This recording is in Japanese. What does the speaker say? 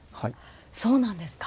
そうなんですか。